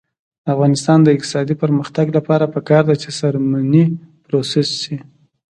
د افغانستان د اقتصادي پرمختګ لپاره پکار ده چې څرمنې پروسس شي.